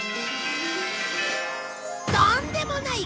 とんでもない！